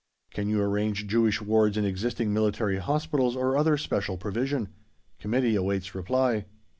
Can you arrange Jewish wards in existing military Hospitals or other special provision? "Committee awaits reply."